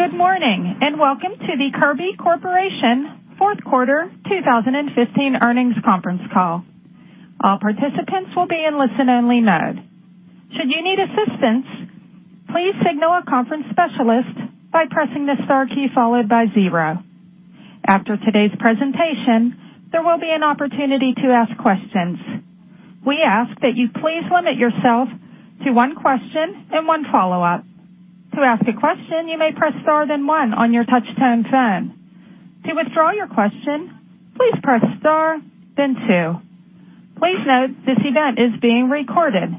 Good morning, and welcome to the Kirby Corporation fourth quarter 2015 earnings conference call. All participants will be in listen-only mode. Should you need assistance, please signal a conference specialist by pressing the star key followed by zero. After today's presentation, there will be an opportunity to ask questions. We ask that you please limit yourself to one question and one follow-up. To ask a question, you may press star, then one on your touch-tone phone. To withdraw your question, please press star, then two. Please note, this event is being recorded.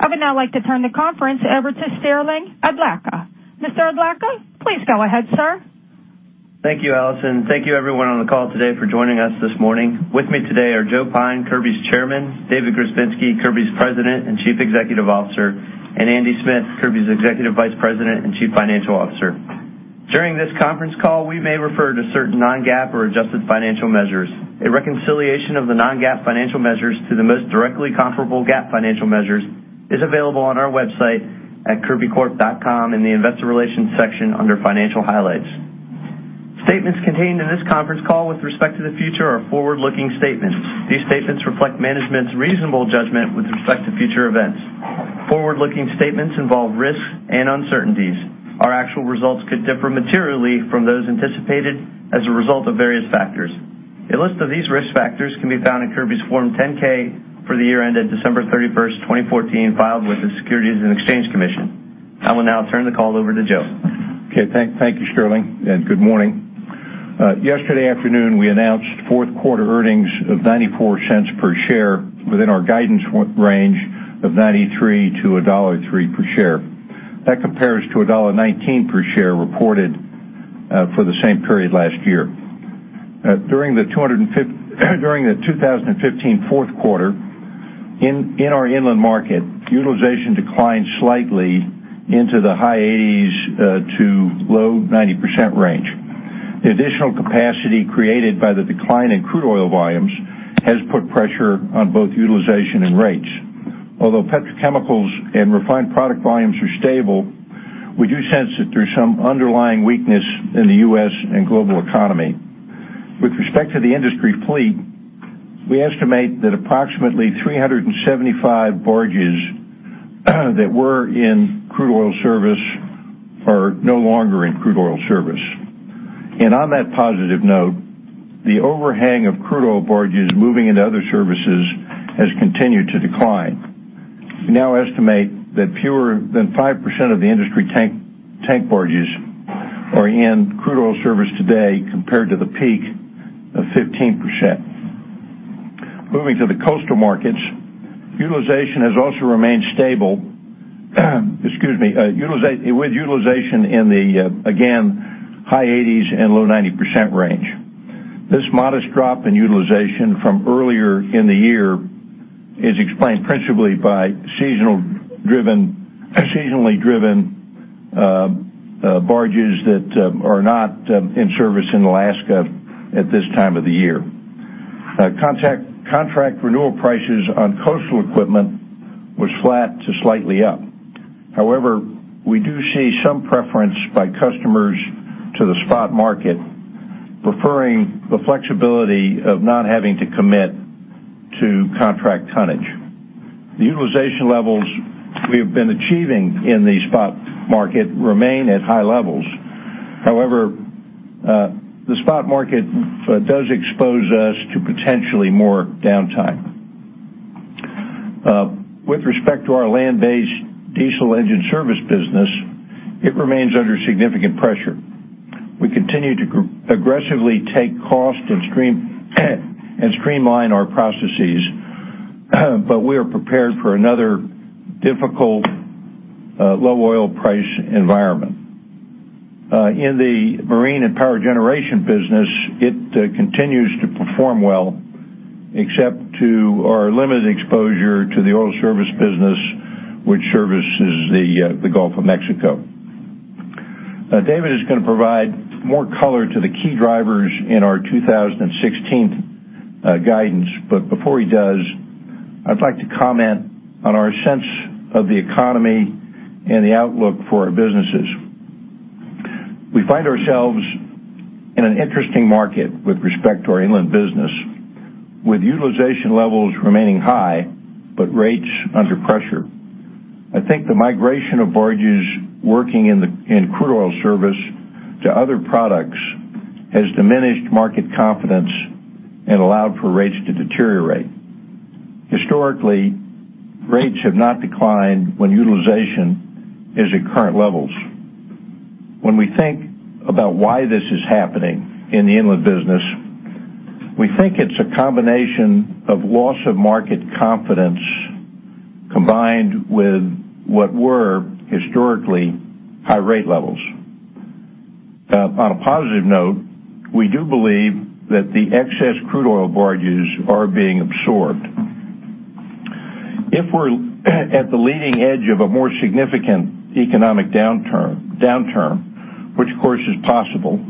I would now like to turn the conference over to Sterling Adlakha. Mr. Adlakha, please go ahead, sir. Thank you, Allison. Thank you, everyone on the call today for joining us this morning. With me today are Joe Pyne, Kirby's Chairman, David Grzebinski, Kirby's President and Chief Executive Officer, and Andy Smith, Kirby's Executive Vice President and Chief Financial Officer. During this conference call, we may refer to certain non-GAAP or adjusted financial measures. A reconciliation of the non-GAAP financial measures to the most directly comparable GAAP financial measures is available on our website at kirbycorp.com in the investor relations section under financial highlights. Statements contained in this conference call with respect to the future are forward-looking statements. These statements reflect management's reasonable judgment with respect to future events. Forward-looking statements involve risks and uncertainties. Our actual results could differ materially from those anticipated as a result of various factors. A list of these risk factors can be found in Kirby's Form 10-K for the year ended December 31st, 2014, filed with the Securities and Exchange Commission. I will now turn the call over to Joe. Okay, thank you, Sterling, and good morning. Yesterday afternoon, we announced fourth-quarter earnings of $0.94 per share within our guidance range of $0.93-$1.03 per share. That compares to $1.19 per share reported for the same period last year. During the 2015 fourth quarter, in our inland market, utilization declined slightly into the high 80s to low 90% range. The additional capacity created by the decline in crude oil volumes has put pressure on both utilization and rates. Although petrochemicals and refined product volumes are stable, we do sense that there's some underlying weakness in the U.S. and global economy. With respect to the industry fleet, we estimate that approximately 375 barges that were in crude oil service are no longer in crude oil service. And on that positive note, the overhang of crude oil barges moving into other services has continued to decline. We now estimate that fewer than 5% of the industry tank barges are in crude oil service today, compared to the peak of 15%. Moving to the coastal markets, utilization has also remained stable, with utilization again in the high 80s and low 90s % range. This modest drop in utilization from earlier in the year is explained principally by seasonally driven barges that are not in service in Alaska at this time of the year. Contract renewal prices on coastal equipment was flat to slightly up. However, we do see some preference by customers to the spot market, preferring the flexibility of not having to commit to contract tonnage. The utilization levels we have been achieving in the spot market remain at high levels. However, the spot market does expose us to potentially more downtime. With respect to our land-based diesel engine service business, it remains under significant pressure. We continue to aggressively take cost and stream, and streamline our processes, but we are prepared for another difficult, low oil price environment. In the marine and power generation business, it continues to perform well, except to our limited exposure to the oil service business, which services the, the Gulf of Mexico. David is going to provide more color to the key drivers in our 2016 guidance. But before he does, I'd like to comment on our sense of the economy and the outlook for our businesses. We find ourselves in an interesting market with respect to our inland business, with utilization levels remaining high, but rates under pressure. I think the migration of barges working in the in crude oil service to other products has diminished market confidence and allowed for rates to deteriorate. Historically, rates have not declined when utilization is at current levels. When we think about why this is happening in the inland business, we think it's a combination of loss of market confidence combined with what were historically high rate levels. On a positive note, we do believe that the excess crude oil barges are being absorbed. If we're at the leading edge of a more significant economic downturn, which, of course, is possible,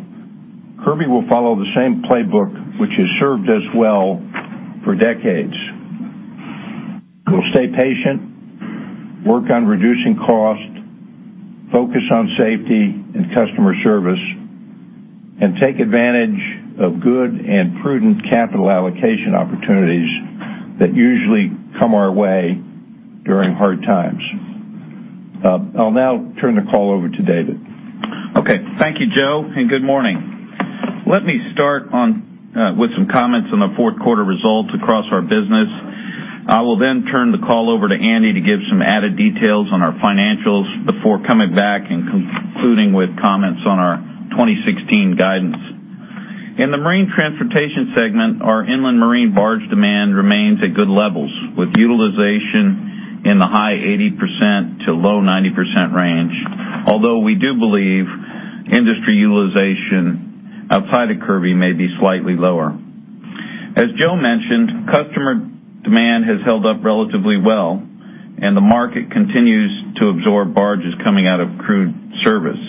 Kirby will follow the same playbook, which has served us well for decades. We'll stay patient, work on reducing cost, focus on safety and customer service, and take advantage of good and prudent capital allocation opportunities that usually come our way during hard times. I'll now turn the call over to David. Okay. Thank you, Joe, and good morning. Let me start on with some comments on the fourth quarter results across our business. I will then turn the call over to Andy to give some added details on our financials before coming back and concluding with comments on our 2016 guidance. In the Marine Transportation segment, our inland marine barge demand remains at good levels, with utilization in the high 80%-low 90% range, although we do believe industry utilization outside of Kirby may be slightly lower. As Joe mentioned, customer demand has held up relatively well, and the market continues to absorb barges coming out of crude service.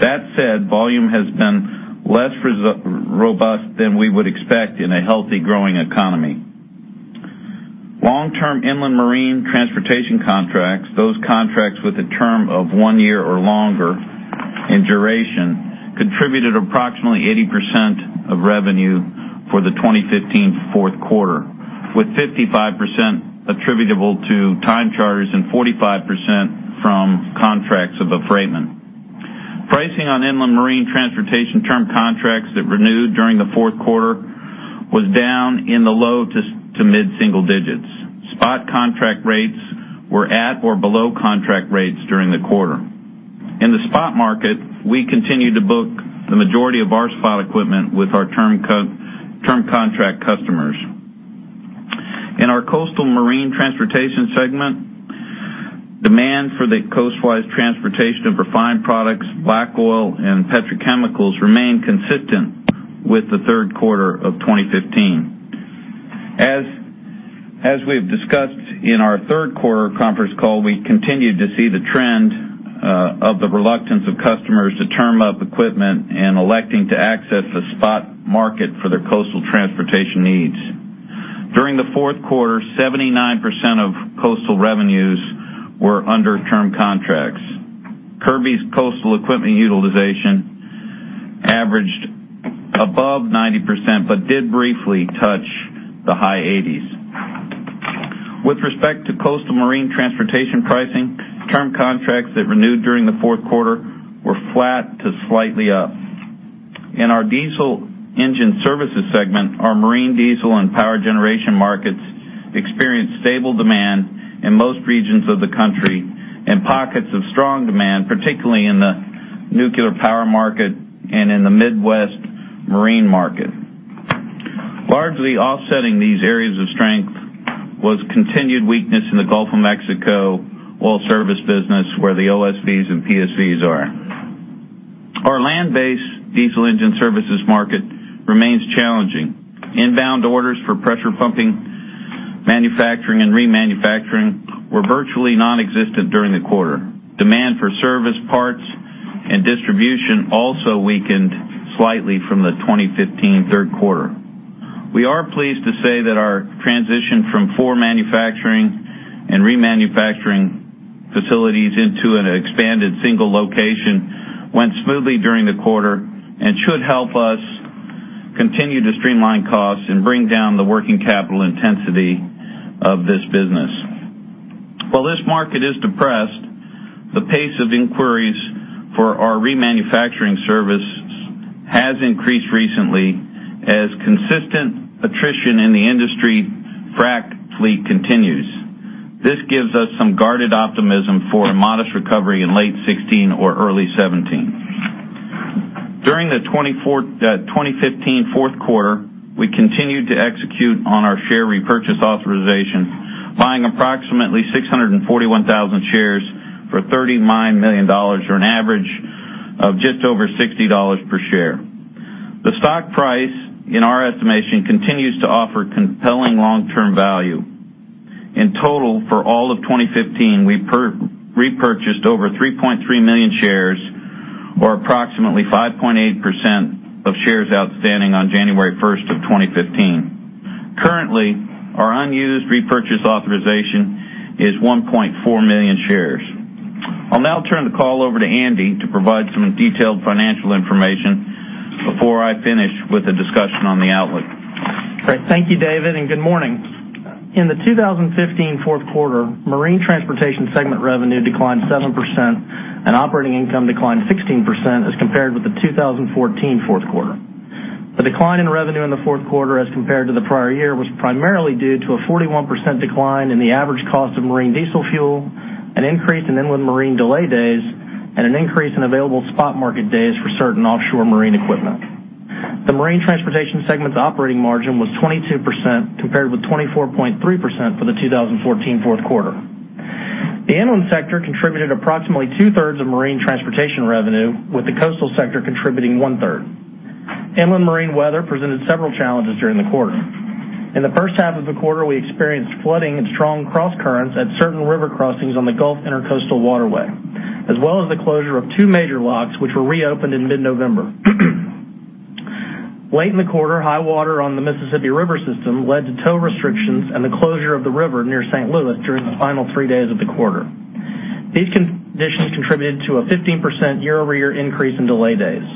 That said, volume has been less robust than we would expect in a healthy, growing economy. Long-term inland marine transportation contracts, those contracts with a term of one year or longer in duration, contributed approximately 80% of revenue for the 2015 fourth quarter, with 55% attributable to time charters and 45% from contracts of affreightment. Pricing on inland marine transportation term contracts that renewed during the fourth quarter was down in the low- to mid-single digits. Spot contract rates were at or below contract rates during the quarter. In the spot market, we continued to book the majority of our spot equipment with our term contract customers. In our Coastal Marine Transportation segment, demand for the coastwise transportation of refined products, black oil, and petrochemicals remained consistent with the third quarter of 2015. As we've discussed in our third quarter conference call, we continued to see the trend of the reluctance of customers to term up equipment and electing to access the spot market for their coastal transportation needs. During the fourth quarter, 79% of coastal revenues were under term contracts. Kirby's coastal equipment utilization averaged above 90%, but did briefly touch the high 80s. With respect to coastal marine transportation pricing, term contracts that renewed during the fourth quarter were flat to slightly up. In our Diesel Engine Services segment, our marine, diesel, and power generation markets experienced stable demand in most regions of the country, and pockets of strong demand, particularly in the nuclear power market and in the Midwest marine market. Largely offsetting these areas of strength was continued weakness in the Gulf of Mexico oil service business, where the OSVs and PSVs are. Our land-based diesel engine services market remains challenging. Inbound orders for pressure pumping, manufacturing, and remanufacturing were virtually nonexistent during the quarter. Demand for service parts and distribution also weakened slightly from the 2015 third quarter. We are pleased to say that our transition from four manufacturing and remanufacturing facilities into an expanded single location went smoothly during the quarter and should help us continue to streamline costs and bring down the working capital intensity of this business. While this market is depressed, the pace of inquiries for our remanufacturing service has increased recently as consistent attrition in the industry frack fleet continues. This gives us some guarded optimism for a modest recovery in late 2016 or early 2017. During the 2015 fourth quarter, we continued to execute on our share repurchase authorization, buying approximately 641,000 shares for $39 million, or an average of just over $60 per share. The stock price, in our estimation, continues to offer compelling long-term value. In total, for all of 2015, we repurchased over 3.3 million shares, or approximately 5.8% of shares outstanding on January 1st, 2015. Currently, our unused repurchase authorization is 1.4 million shares. I'll now turn the call over to Andy to provide some detailed financial information before I finish with a discussion on the outlook. Great. Thank you, David, and good morning. In the 2015 fourth quarter, Marine Transportation segment revenue declined 7% and operating income declined 16% as compared with the 2014 fourth quarter. The decline in revenue in the fourth quarter as compared to the prior year, was primarily due to a 41% decline in the average cost of marine diesel fuel, an increase in inland marine delay days, and an increase in available spot market days for certain offshore marine equipment. The Marine Transportation segment's operating margin was 22%, compared with 24.3% for the 2014 fourth quarter. The inland sector contributed approximately two-thirds of marine transportation revenue, with the coastal sector contributing one-third. Inland marine weather presented several challenges during the quarter. In the first half of the quarter, we experienced flooding and strong crosscurrents at certain river crossings on the Gulf Intracoastal Waterway, as well as the closure of two major locks, which were reopened in mid-November. Late in the quarter, high water on the Mississippi River system led to tow restrictions and the closure of the river near St. Louis during the final three days of the quarter. These conditions contributed to a 15% year-over-year increase in delay days.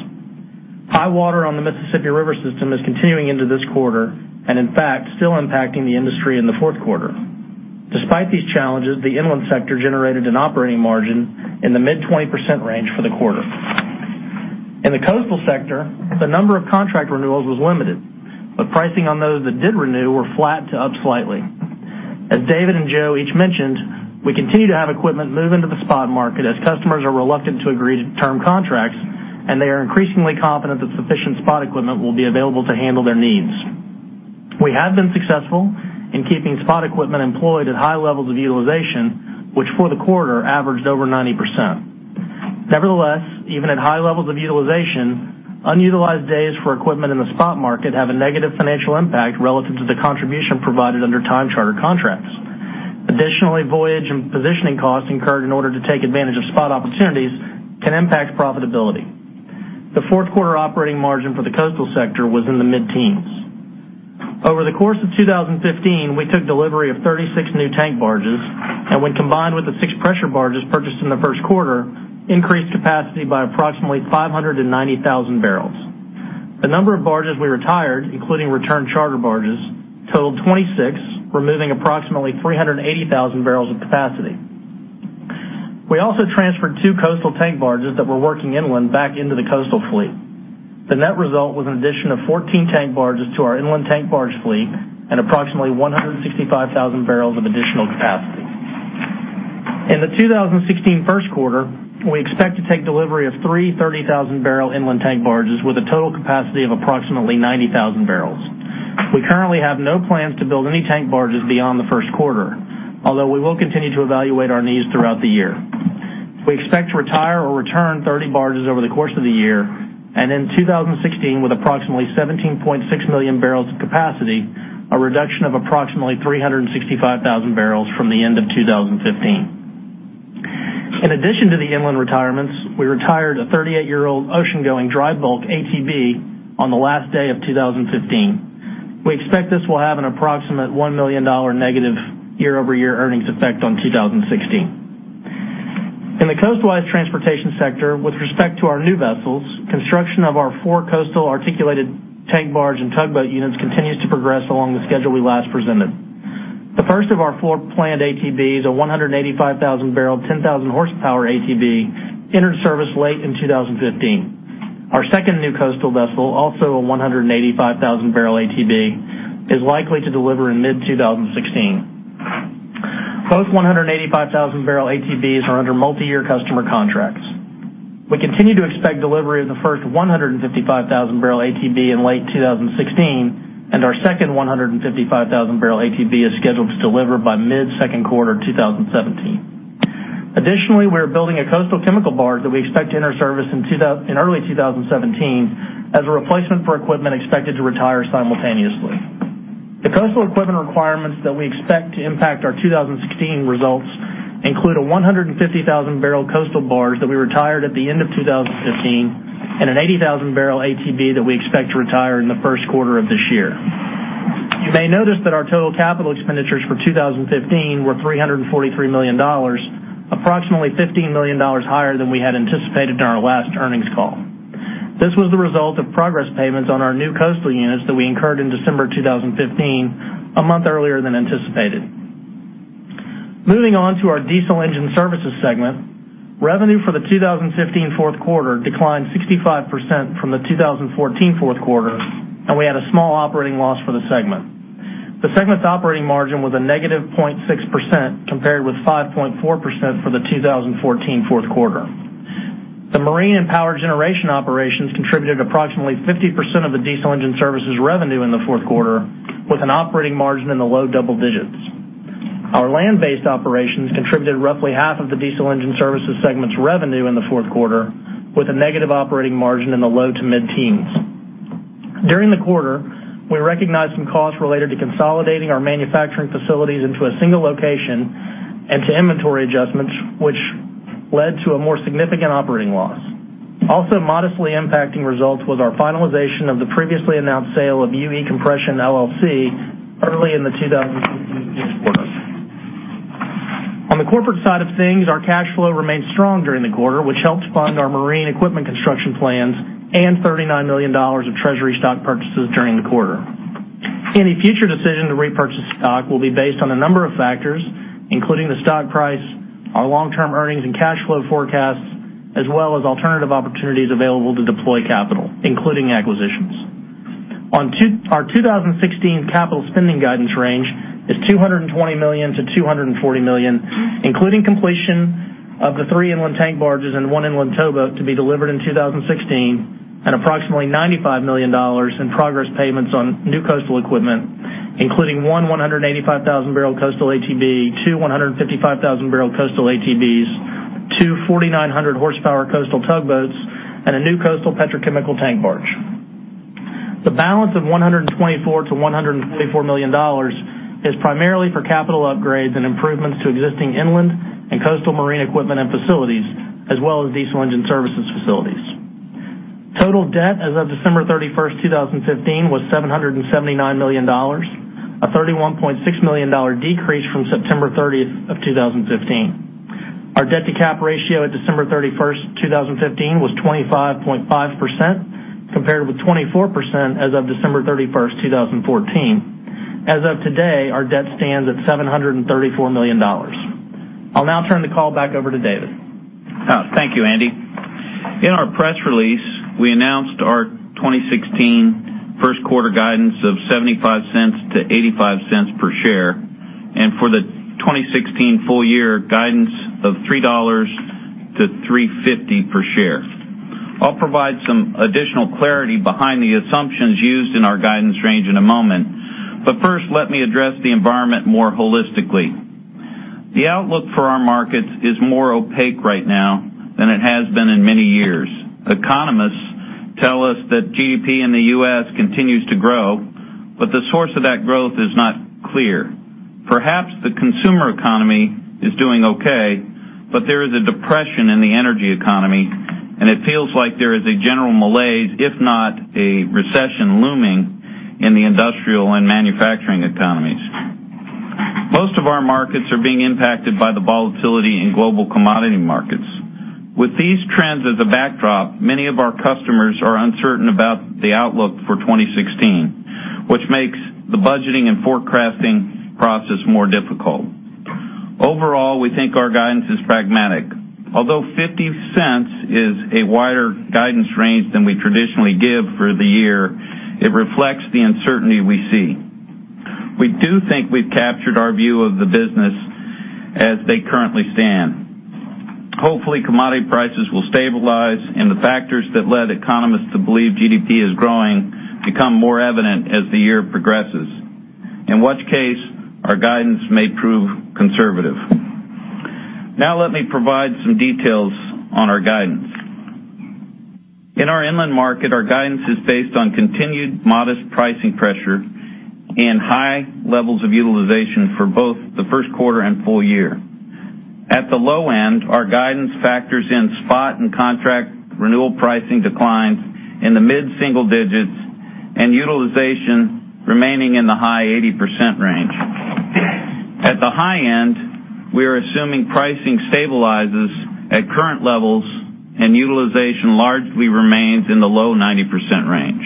High water on the Mississippi River system is continuing into this quarter and in fact, still impacting the industry in the fourth quarter. Despite these challenges, the inland sector generated an operating margin in the mid-20% range for the quarter. In the coastal sector, the number of contract renewals was limited, but pricing on those that did renew were flat to up slightly. As David and Joe each mentioned, we continue to have equipment move into the spot market as customers are reluctant to agree to term contracts, and they are increasingly confident that sufficient spot equipment will be available to handle their needs. We have been successful in keeping spot equipment employed at high levels of utilization, which for the quarter averaged over 90%. Nevertheless, even at high levels of utilization, unutilized days for equipment in the spot market have a negative financial impact relative to the contribution provided under time charter contracts. Additionally, voyage and positioning costs incurred in order to take advantage of spot opportunities can impact profitability. The fourth quarter operating margin for the coastal sector was in the mid-teens. Over the course of 2015, we took delivery of 36 new tank barges, and when combined with the six pressure barges purchased in the first quarter, increased capacity by approximately 590,000 barrels. The number of barges we retired, including return charter barges, totaled 26, removing approximately 380,000 barrels of capacity. We also transferred two coastal tank barges that were working inland back into the coastal fleet. The net result was an addition of 14 tank barges to our inland tank barge fleet and approximately 165,000 barrels of additional capacity. In the 2016 first quarter, we expect to take delivery of three 30,000-barrel inland tank barges with a total capacity of approximately 90,000 barrels. We currently have no plans to build any tank barges beyond the first quarter, although we will continue to evaluate our needs throughout the year. We expect to retire or return 30 barges over the course of the year, and in 2016, with approximately 17.6 million barrels of capacity, a reduction of approximately 365,000 barrels from the end of 2015. In addition to the inland retirements, we retired a 38-year-old ocean-going dry bulk ATB on the last day of 2015. We expect this will have an approximate $1 million negative year-over-year earnings effect on 2016. In the coastwise transportation sector, with respect to our new vessels, construction of our 4 coastal articulated tank barge and tugboat units continues to progress along the schedule we last presented. The first of our four planned ATBs, a 185,000-barrel, 10,000-horsepower ATB, entered service late in 2015. Our second new coastal vessel, also a 185,000-barrel ATB, is likely to deliver in mid-2016. Both 185,000-barrel ATBs are under multiyear customer contracts. We continue to expect delivery of the first 155,000-barrel ATB in late 2016, and our second 155,000-barrel ATB is scheduled to deliver by mid-second quarter 2017. Additionally, we are building a coastal chemical barge that we expect to enter service in early 2017 as a replacement for equipment expected to retire simultaneously. The coastal equipment requirements that we expect to impact our 2016 results include a 150,000-barrel coastal barge that we retired at the end of 2015, and an 80,000-barrel ATB that we expect to retire in the first quarter of this year. You may notice that our total capital expenditures for 2015 were $343 million, approximately $15 million higher than we had anticipated in our last earnings call. This was the result of progress payments on our new coastal units that we incurred in December 2015, a month earlier than anticipated. Moving on to our Diesel Engine Services segment. Revenue for the 2015 fourth quarter declined 65% from the 2014 fourth quarter, and we had a small operating loss for the segment. The segment's operating margin was a -0.6%, compared with 5.4% for the 2014 fourth quarter. The marine and power generation operations contributed approximately 50% of the Diesel Engine Services revenue in the fourth quarter, with an operating margin in the low double digits. Our land-based operations contributed roughly half of the Diesel Engine Services segment's revenue in the fourth quarter, with a negative operating margin in the low to mid-teens. During the quarter, we recognized some costs related to consolidating our manufacturing facilities into a single location and to inventory adjustments, which led to a more significant operating loss. Also modestly impacting results was our finalization of the previously announced sale of UE Compression, LLC, early in the 2015 fourth quarter. On the corporate side of things, our cash flow remained strong during the quarter, which helped fund our marine equipment construction plans and $39 million of treasury stock purchases during the quarter. Any future decision to repurchase stock will be based on a number of factors, including the stock price, our long-term earnings and cash flow forecasts, as well as alternative opportunities available to deploy capital, including acquisitions. Our 2016 capital spending guidance range is $220 million-$240 million, including completion of the three inland tank barges and one inland towboat to be delivered in 2016, and approximately $95 million in progress payments on new coastal equipment, including one 185,000-barrel coastal ATB, two 155,000-barrel coastal ATBs, two 4,900-horsepower coastal tugboats, and a new coastal petrochemical tank barge. The balance of $124 million-$124 million is primarily for capital upgrades and improvements to existing inland and coastal marine equipment and facilities, as well as diesel engine services facilities. Total debt as of December 31st, 2015 was $779 million, a $31.6 million decrease from September 30th, 2015. Our debt-to-cap ratio at December 31st, 2015 was 25.5%, compared with 24% as of December 31st, 2014. As of today, our debt stands at $734 million. I'll now turn the call back over to David. Thank you, Andy. In our press release, we announced our 2016 first quarter guidance of $0.75-$0.85 per share, and for the 2016 full year guidance of $3-$3.50 per share. I'll provide some additional clarity behind the assumptions used in our guidance range in a moment, but first, let me address the environment more holistically. The outlook for our markets is more opaque right now than it has been in many years. Economists tell us that GDP in the U.S. continues to grow, but the source of that growth is not clear. Perhaps the consumer economy is doing okay, but there is a depression in the energy economy, and it feels like there is a general malaise, if not a recession looming in the industrial and manufacturing economies. Most of our markets are being impacted by the volatility in global commodity markets. With these trends as a backdrop, many of our customers are uncertain about the outlook for 2016, which makes the budgeting and forecasting process more difficult. Overall, we think our guidance is pragmatic. Although $0.50 is a wider guidance range than we traditionally give for the year, it reflects the uncertainty we see. We do think we've captured our view of the business as they currently stand. Hopefully, commodity prices will stabilize and the factors that led economists to believe GDP is growing, become more evident as the year progresses, in which case our guidance may prove conservative. Now, let me provide some details on our guidance. In our inland market, our guidance is based on continued modest pricing pressure and high levels of utilization for both the first quarter and full year. At the low end, our guidance factors in spot and contract renewal pricing declines in the mid-single digits and utilization remaining in the high 80% range. At the high end, we are assuming pricing stabilizes at current levels and utilization largely remains in the low 90% range.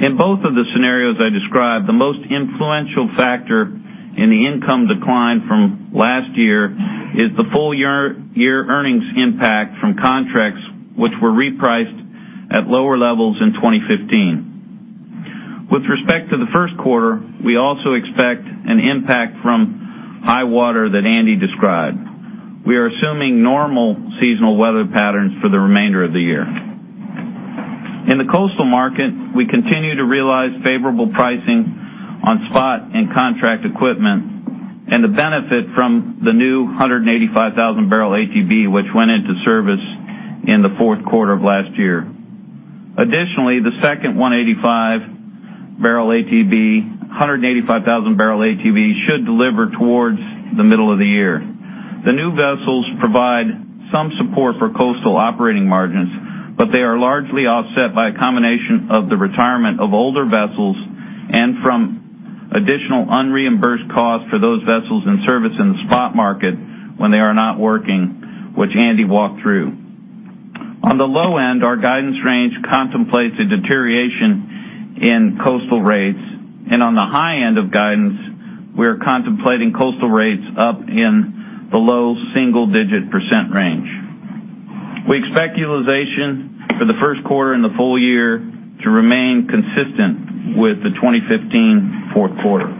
In both of the scenarios I described, the most influential factor in the income decline from last year is the full year, year earnings impact from contracts, which were repriced at lower levels in 2015. With respect to the first quarter, we also expect an impact from high water that Andy described. We are assuming normal seasonal weather patterns for the remainder of the year. In the coastal market, we continue to realize favorable pricing on spot and contract equipment and the benefit from the new 185,000-barrel ATB, which went into service in the fourth quarter of last year. Additionally, the second 185,000-barrel ATB, 185,000-barrel ATB, should deliver towards the middle of the year. The new vessels provide some support for coastal operating margins, but they are largely offset by a combination of the retirement of older vessels and from additional unreimbursed costs for those vessels in service in the spot market when they are not working, which Andy walked through. On the low end, our guidance range contemplates a deterioration in coastal rates, and on the high end of guidance, we are contemplating coastal rates up in the low single-digit % range. We expect utilization for the first quarter and the full year to remain consistent with the 2015 fourth quarter.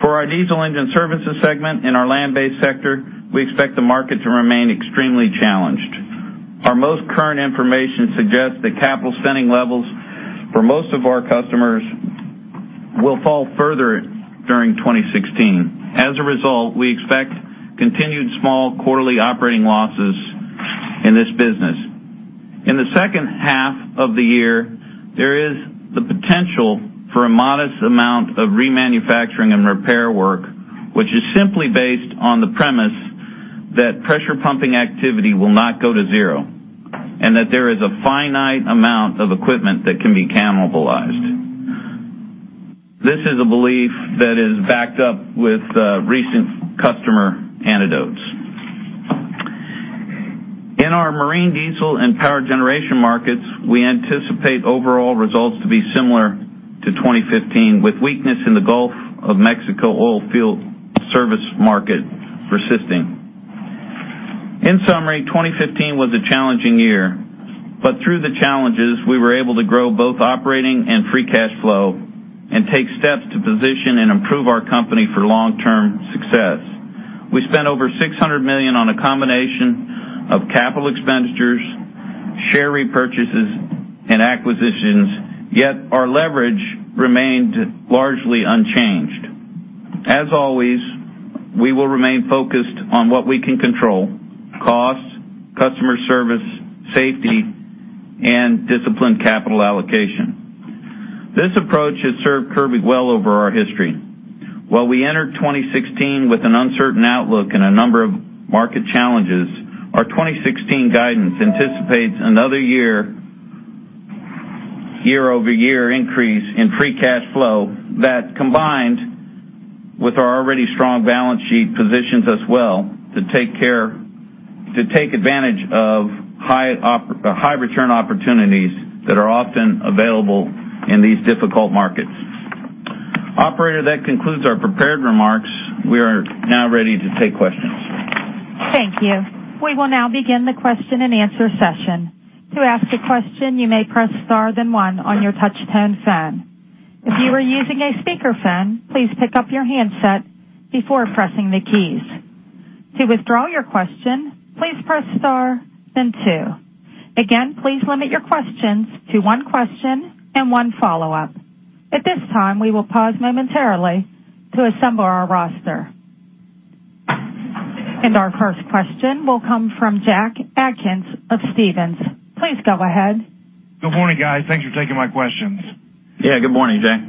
For our Diesel Engine Services segment in our land-based sector, we expect the market to remain extremely challenged. Our most current information suggests that capital spending levels for most of our customers will fall further during 2016. As a result, we expect continued small quarterly operating losses in this business. In the second half of the year, there is the potential for a modest amount of remanufacturing and repair work, which is simply based on the premise that pressure pumping activity will not go to zero, and that there is a finite amount of equipment that can be cannibalized. This is a belief that is backed up with recent customer anecdotes. In our marine diesel and power generation markets, we anticipate overall results to be similar to 2015, with weakness in the Gulf of Mexico oil field service market persisting. In summary, 2015 was a challenging year, but through the challenges, we were able to grow both operating and free cash flow and take steps to position and improve our company for long-term success. We spent over $600 million on a combination of capital expenditures, share repurchases, and acquisitions, yet our leverage remained largely unchanged. As always, we will remain focused on what we can control: costs, customer service, safety, and disciplined capital allocation. This approach has served Kirby well over our history. While we entered 2016 with an uncertain outlook and a number of market challenges, our 2016 guidance anticipates another year-over-year increase in free cash flow that, combined with our already strong balance sheet, positions us well to take advantage of high return opportunities that are often available in these difficult markets. Operator, that concludes our prepared remarks. We are now ready to take questions. Thank you. We will now begin the question-and-answer session. To ask a question, you may press star, then one on your touchtone phone. If you are using a speakerphone, please pick up your handset before pressing the keys. To withdraw your question, please press star, then two. Again, please limit your questions to one question and one follow-up. At this time, we will pause momentarily to assemble our roster. Our first question will come from Jack Atkins of Stephens. Please go ahead. Good morning, guys. Thanks for taking my questions. Yeah, good morning, Jack.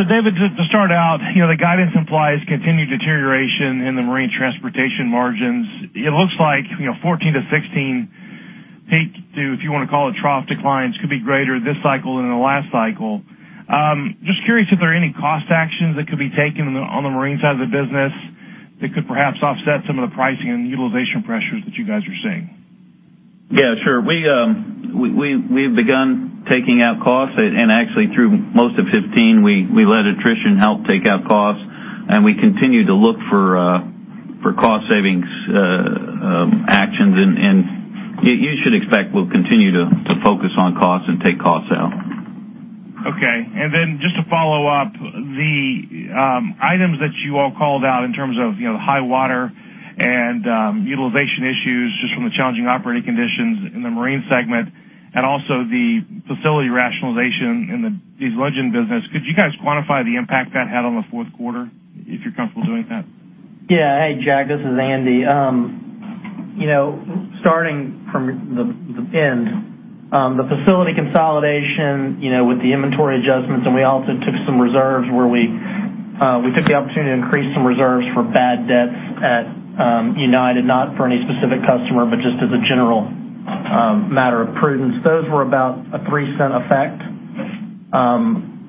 So, David, just to start out, you know, the guidance implies continued deterioration in the marine transportation margins. It looks like, you know, 14-16 peak to, if you wanna call it, trough declines, could be greater this cycle than in the last cycle. Just curious if there are any cost actions that could be taken on the marine side of the business that could perhaps offset some of the pricing and utilization pressures that you guys are seeing? Yeah, sure. We've begun taking out costs, and actually, through most of 2015, we let attrition help take out costs, and we continue to look for cost savings actions. You should expect we'll continue to focus on costs and take costs out. Okay. And then just to follow up, the items that you all called out in terms of, you know, the high water and utilization issues, just from the challenging operating conditions in the Marine segment, and also the facility rationalization in the diesel engine business, could you guys quantify the impact that had on the fourth quarter, if you're comfortable doing that? Yeah. Hey, Jack, this is Andy. You know, starting from the, the end, the facility consolidation, you know, with the inventory adjustments, and we also took some reserves where we, we took the opportunity to increase some reserves for bad debts at, United, not for any specific customer, but just as a general, matter of prudence. Those were about a $0.03 effect.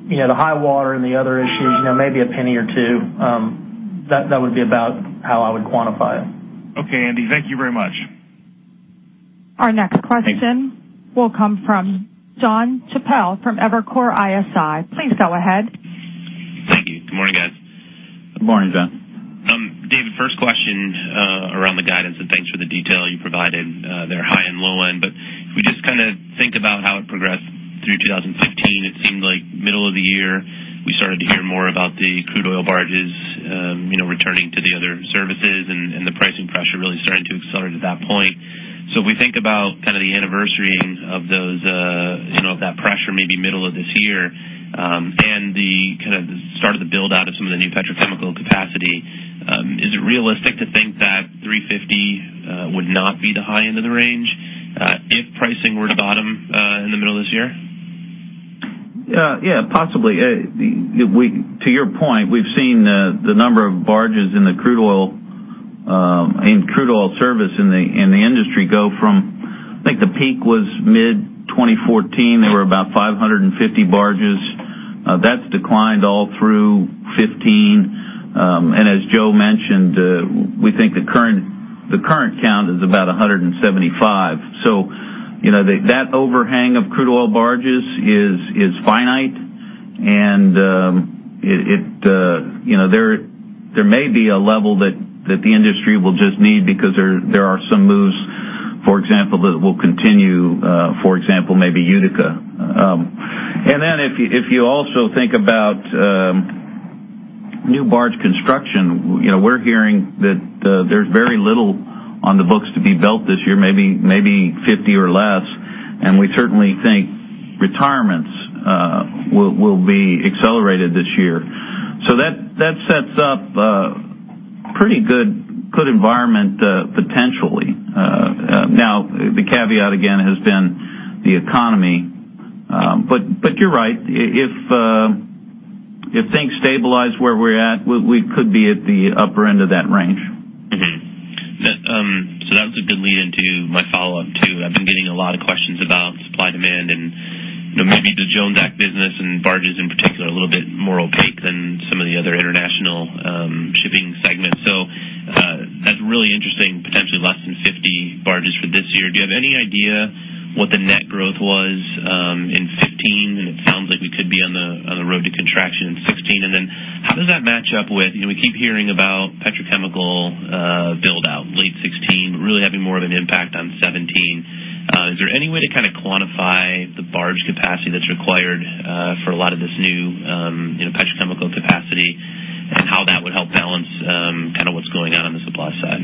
You know, the high water and the other issues, you know, maybe $0.01 or $0.02. That, that would be about how I would quantify it. Okay, Andy, thank you very much. Our next question- Thank you. will come from Jon Chappell from Evercore ISI. Please go ahead. Thank you. Good morning, guys. Good morning, Jon. David, first question around the guidance, and thanks for the detail you provided there, high and low end. But if we just kinda think about how it progressed through 2015, it seemed like middle of the year, we started to hear more about the crude oil barges, you know, returning to the other services, and, and the pricing pressure really starting to accelerate at that point. So if we think about kind of the anniversarying of those, you know, of that pressure, maybe middle of this year, and the kind of the start of the build-out of some of the new petrochemical capacity, is it realistic to think that $350 would not be the high end of the range, if pricing were to bottom in the middle of this year? Yeah, possibly. To your point, we've seen the number of barges in the crude oil service in the industry go from, I think the peak was mid-2014. There were about 550 barges. That's declined all through 2015. And as Joe mentioned, we think the current count is about 175. So, you know, that overhang of crude oil barges is finite, and it you know, there may be a level that the industry will just need because there are some moves, for example, that will continue, for example, maybe Utica. And then if you also think about new barge construction, you know, we're hearing that there's very little on the books to be built this year, maybe 50 or less, and we certainly think retirements will be accelerated this year. So that sets up a pretty good environment, potentially. Now, the caveat, again, has been the economy. But you're right. If things stabilize where we're at, we could be at the upper end of that range. Mm-hmm. So that was a good lead into my follow-up, too. I've been getting a lot of questions about supply, demand, and, you know, maybe the Jones Act business and barges in particular, a little bit more opaque than some of the other international shipping segments. So, that's really interesting, potentially less than 50 barges for this year. Do you have any idea what the net growth was in 15? And it sounds like we could be on the, on the road to contraction in 16. And then how does that match up with... You know, we keep hearing about petrochemical build-out, late 16, really having more of an impact on 17. Is there any way to kind of quantify the barge capacity that's required for a lot of this new, you know, petrochemical capacity and how that would help balance? Okay,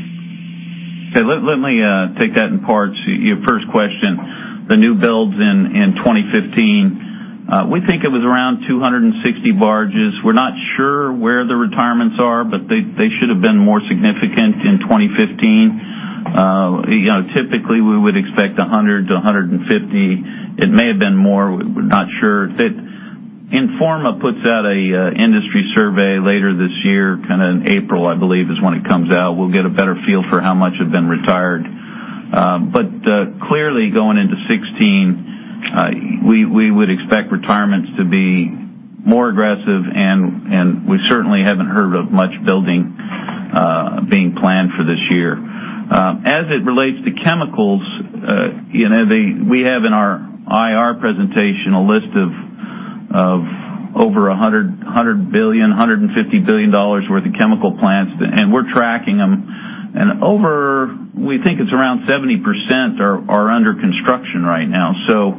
let me take that in parts. Your first question, the new builds in 2015, we think it was around 260 barges. We're not sure where the retirements are, but they should have been more significant in 2015. You know, typically, we would expect 100 to 150. It may have been more, we're not sure. Informa puts out an industry survey later this year, kind of in April, I believe, is when it comes out. We'll get a better feel for how much have been retired. But clearly, going into 2016, we would expect retirements to be more aggressive, and we certainly haven't heard of much building being planned for this year. As it relates to chemicals, you know, we have in our IR presentation a list of over $150 billion worth of chemical plants, and we're tracking them. We think it's around 70% are under construction right now. So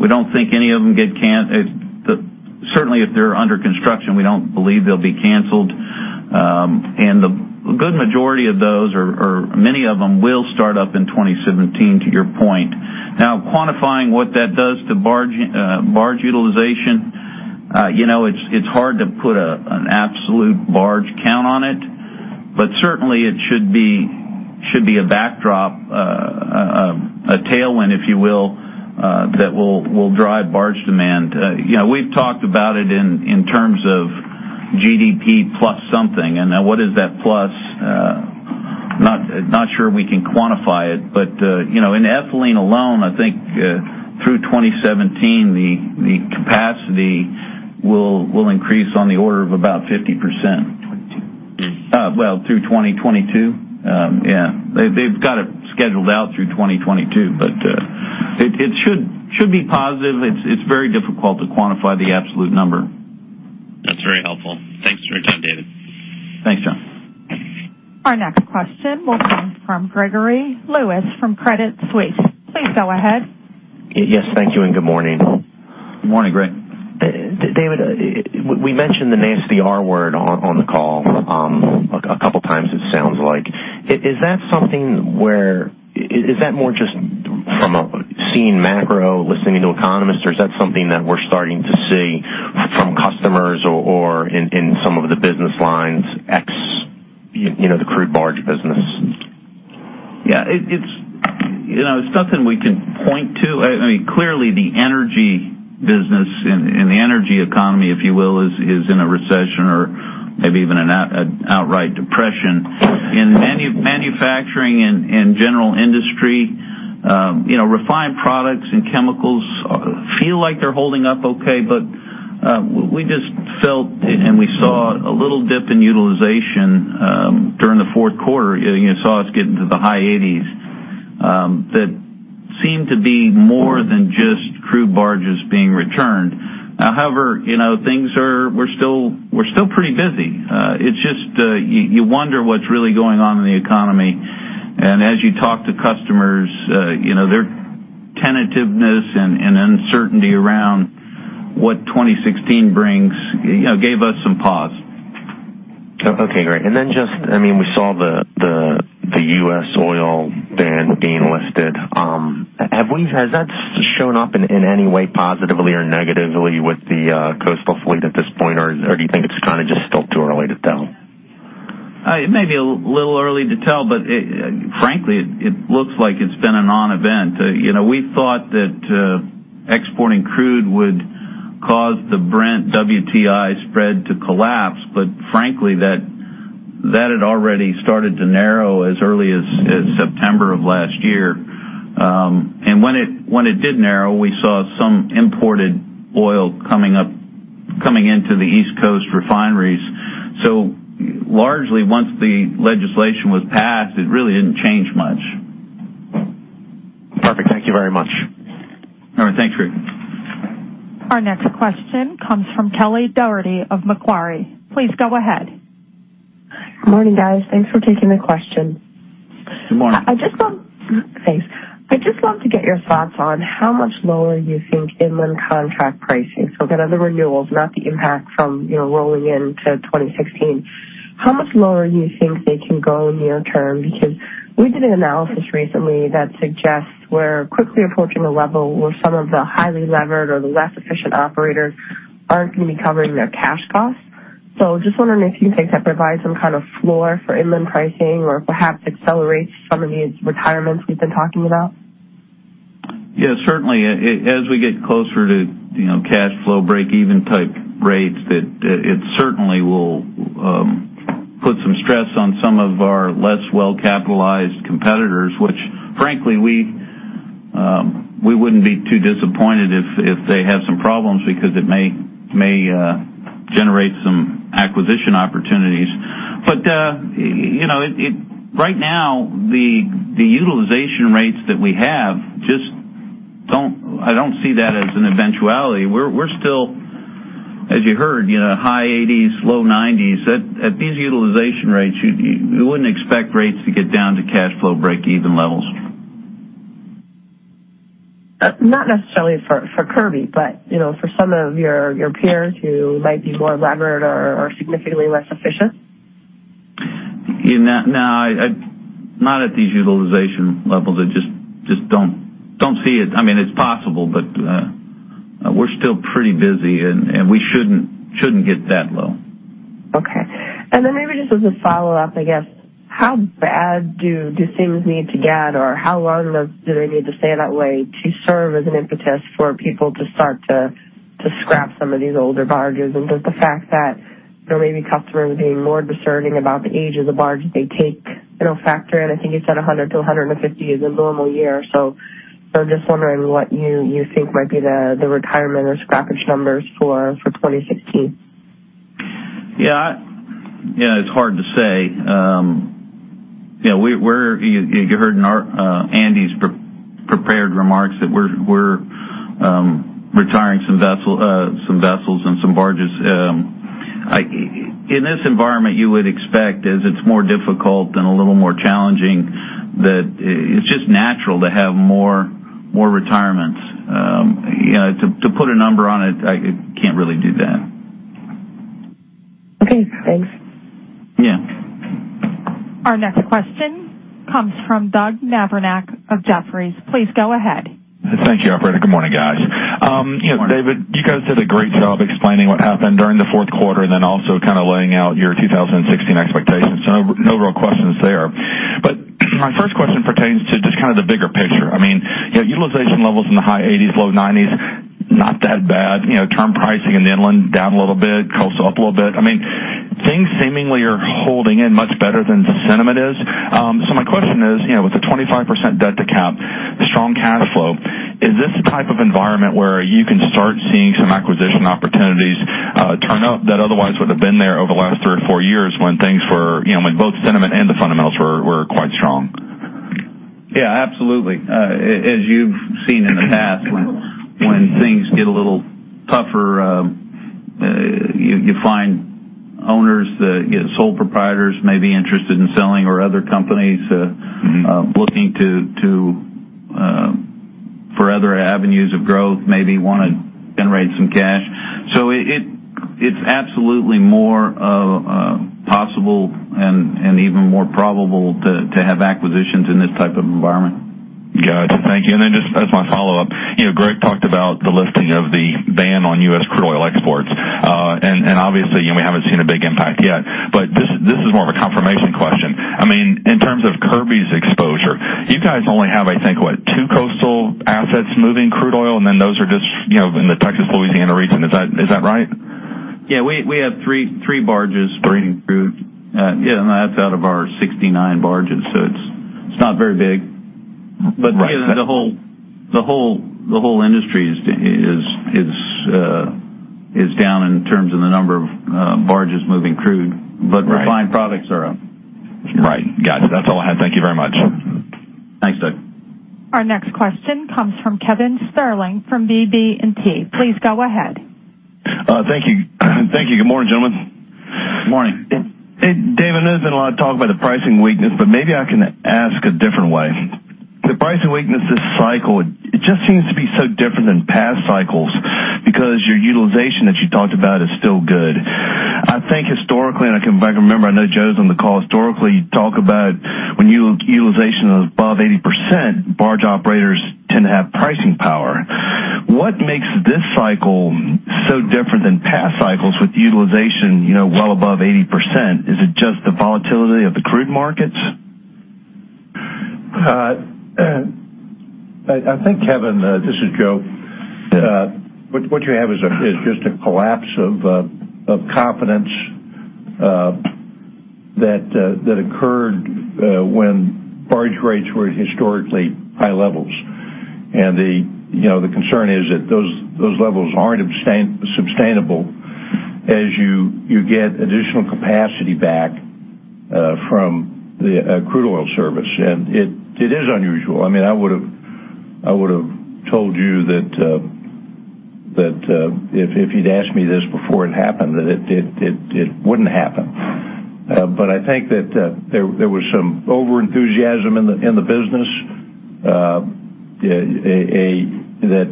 we don't think any of them can't—certainly, if they're under construction, we don't believe they'll be canceled. And the good majority of those are, many of them will start up in 2017, to your point. Now, quantifying what that does to barge utilization, you know, it's hard to put an absolute barge count on it, but certainly it should be a backdrop, a tailwind, if you will, that will drive barge demand. Yeah, we've talked about it in terms of GDP plus something. Now, what is that plus? Not sure we can quantify it, but you know, in ethylene alone, I think through 2017, the capacity will increase on the order of about 50%. Twenty-two. Well, through 2022. Yeah, they've got it scheduled out through 2022, but it should be positive. It's very difficult to quantify the absolute number. That's very helpful. Thanks for your time, David. Thanks, Jon. Our next question will come from Gregory Lewis, from Credit Suisse. Please go ahead. Yes, thank you, and good morning. Good morning, Greg. David, we mentioned the nasty R word on the call a couple times it sounds like. Is that something where... Is that more just from seeing macro, listening to economists, or is that something that we're starting to see from customers or in some of the business lines, ex, you know, the crude barge business? Yeah, it's, you know, nothing we can point to. I mean, clearly, the energy business and the energy economy, if you will, is in a recession or maybe even an outright depression. In manufacturing and general industry, you know, refined products and chemicals feel like they're holding up okay, but we just felt, and we saw a little dip in utilization during the fourth quarter. You saw us get into the high 80s, that seemed to be more than just crude barges being returned. However, you know, things are. We're still pretty busy. It's just, you wonder what's really going on in the economy, and as you talk to customers, you know, their tentativeness and uncertainty around what 2016 brings, you know, gave us some pause. Okay, great. And then just, I mean, we saw the U.S. oil ban being listed. Have we—has that shown up in any way, positively or negatively with the coastal fleet at this point, or do you think it's kind of just still too early to tell? It may be a little early to tell, but frankly, it looks like it's been a non-event. You know, we thought that exporting crude would cause the Brent-WTI spread to collapse, but frankly, that had already started to narrow as early as September of last year. And when it did narrow, we saw some imported oil coming up, coming into the East Coast refineries. So largely, once the legislation was passed, it really didn't change much. Perfect. Thank you very much. All right. Thanks, Greg. Our next question comes from Kelly Dougherty of Macquarie. Please go ahead. Good morning, guys. Thanks for taking the question. Good morning. I just want, thanks. I just want to get your thoughts on how much lower you think inland contract pricing, so again, on the renewals, not the impact from, you know, rolling into 2016. How much lower do you think they can go near term? Because we did an analysis recently that suggests we're quickly approaching a level where some of the highly levered or the less efficient operators aren't going to be covering their cash costs. So just wondering if you think that provides some kind of floor for inland pricing or perhaps accelerates some of these retirements we've been talking about? Yeah, certainly, as we get closer to, you know, cash flow, break-even type rates, that it certainly will put some stress on some of our less well-capitalized competitors, which, frankly, we wouldn't be too disappointed if they have some problems because it may generate some acquisition opportunities. But, you know, right now, the utilization rates that we have, I don't see that as an eventuality. We're still, as you heard, you know, high 80s, low 90s. At these utilization rates, you wouldn't expect rates to get down to cash flow, break-even levels. Not necessarily for, for Kirby, but, you know, for some of your, your peers who might be more elaborate or, or significantly less efficient? Yeah, no, I not at these utilization levels. I just don't see it. I mean, it's possible, but we're still pretty busy, and we shouldn't get that low. Okay. And then maybe just as a follow-up, I guess, how bad do things need to get, or how long do they need to stay that way to serve as an impetus for people to start to scrap some of these older barges? And does the fact that there may be customers being more discerning about the age of the barge they take, it'll factor in? I think you said 100 to 150 is a normal year. So I'm just wondering what you think might be the retirement or scrappage numbers for 2016. Yeah, yeah, it's hard to say. Yeah, we're, you heard in our Andy's pre-prepared remarks that we're retiring some vessels and some barges. In this environment, you would expect, as it's more difficult and a little more challenging, that it's just natural to have more retirements. You know, to put a number on it, I can't really do that. Okay, thanks. Yeah. Our next question comes from Doug Mavrinac of Jefferies. Please go ahead. Thank you, operator. Good morning, guys. Good morning. You know, David, you guys did a great job explaining what happened during the fourth quarter and then also kind of laying out your 2016 expectations. So no, no real questions there. But my first question pertains to just kind of the bigger picture. I mean, you know, utilization levels in the high 80s, low 90s, not that bad. You know, term pricing in the inland, down a little bit, coast up a little bit. I mean, things seemingly are holding in much better than the sentiment is. My question is, you know, with the 25% debt-to-cap, the strong cash flow, is this the type of environment where you can start seeing some acquisition opportunities turn up that otherwise would have been there over the last three or four years when things were, you know, when both sentiment and the fundamentals were quite strong? Yeah, absolutely. As you've seen in the past, when things get a little tougher, you find owners that, you know, sole proprietors may be interested in selling or other companies. Mm-hmm. Looking for other avenues of growth, maybe want to generate some cash. So it's absolutely more possible and even more probable to have acquisitions in this type of environment. Got it. Thank you. And then just as my follow-up, you know, Greg talked about the lifting of the ban on U.S. crude oil exports. And obviously, you know, we haven't seen a big impact yet, but this is more of a confirmation question. I mean, in terms of Kirby's exposure, you guys only have, I think, what, two coastal assets moving crude oil, and then those are just, you know, in the Texas, Louisiana region. Is that right? Yeah, we have three barges bringing crude. Yeah, and that's out of our 69 barges, so it's not very big. Right. But you know, the whole industry is down in terms of the number of barges moving crude- Right. But refined products are up. Right. Gotcha. That's all I have. Thank you very much. Thanks, Doug. Our next question comes from Kevin Sterling from BB&T. Please go ahead. Thank you. Thank you. Good morning, gentlemen. Good morning. Hey, David, there's been a lot of talk about the pricing weakness, but maybe I can ask a different way. The pricing weakness this cycle, it just seems to be so different than past cycles because your utilization that you talked about is still good. I think historically, and if I can remember, I know Joe's on the call, historically, you talk about when utilization is above 80%, barge operators tend to have pricing power. What makes this cycle so different than past cycles with utilization, you know, well above 80%? Is it just the volatility of the crude markets? I think, Kevin, this is Joe. Yeah. What you have is just a collapse of confidence that occurred when barge rates were at historically high levels. You know, the concern is that those levels aren't sustainable as you get additional capacity back from the crude oil service. It is unusual. I mean, I would've told you that if you'd asked me this before it happened, that it wouldn't happen. But I think that there was some overenthusiasm in the business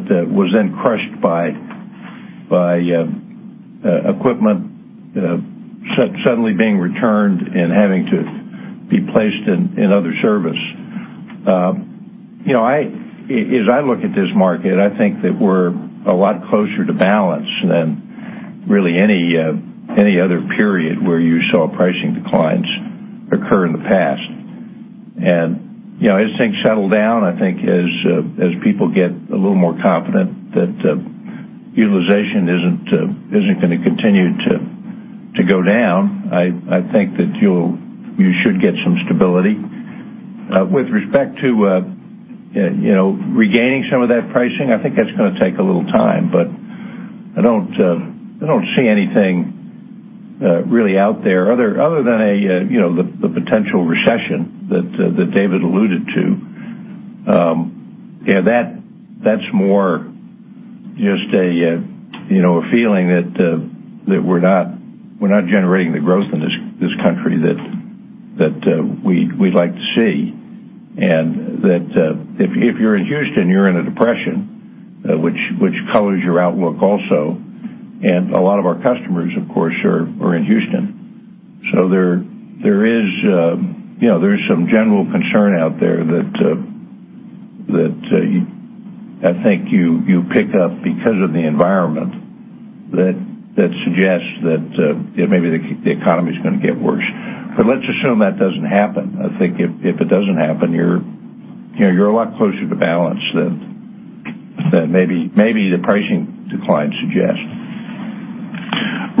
that was then crushed by equipment suddenly being returned and having to be placed in other service. You know, as I look at this market, I think that we're a lot closer to balance than really any any other period where you saw pricing declines occur in the past. You know, as things settle down, I think as people get a little more confident that utilization isn't gonna continue to go down, I think that you'll you should get some stability. With respect to you know regaining some of that pricing, I think that's gonna take a little time, but I don't I don't see anything really out there other other than a you know the the potential recession that that David alluded to. Yeah, that's just a, you know, a feeling that we're not generating the growth in this country that we'd like to see. And that, if you're in Houston, you're in a depression, which colors your outlook also. And a lot of our customers, of course, are in Houston. So there is, you know, some general concern out there that I think you pick up because of the environment that suggests that maybe the economy is gonna get worse. But let's assume that doesn't happen. I think if it doesn't happen, you're, you know, you're a lot closer to balance than maybe the pricing decline suggests.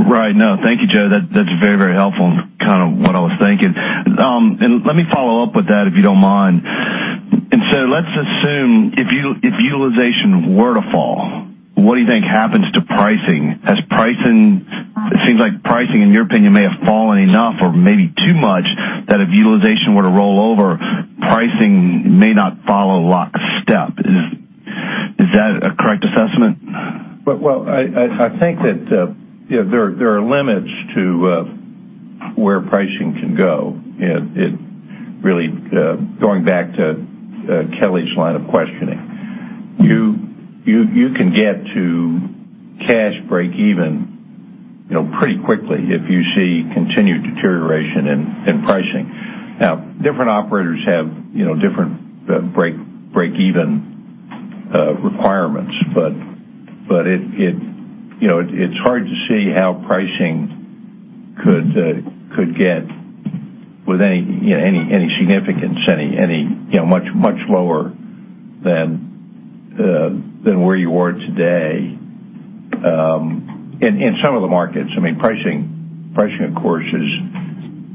Right. No, thank you, Joe. That, that's very, very helpful, and kind of what I was thinking. And let me follow up with that, if you don't mind. And so let's assume if utilization were to fall, what do you think happens to pricing? As pricing, it seems like pricing, in your opinion, may have fallen enough or maybe too much, that if utilization were to roll over, pricing may not follow lockstep. Is that a correct assessment? Well, I think that, you know, there are limits to where pricing can go. It really going back to Kelly's line of questioning. You can get to cash breakeven, you know, pretty quickly if you see continued deterioration in pricing. Now, different operators have, you know, different breakeven requirements. But it, you know, it's hard to see how pricing could get with any significance, you know, much lower than where you are today. In some of the markets, I mean, pricing, of course,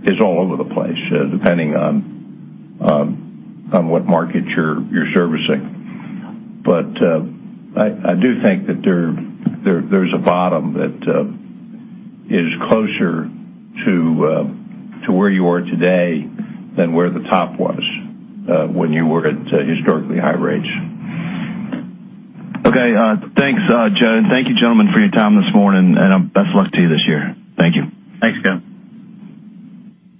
is all over the place, depending on what market you're servicing. But, I do think that there's a bottom that is closer to where you are today than where the top was when you were at historically high rates. Okay. Thanks, Joe, and thank you, gentlemen, for your time this morning, and best luck to you this year. Thank you. Thanks, Ken.